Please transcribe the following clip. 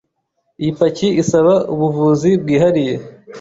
Iyi paki isaba ubuvuzi bwihariye.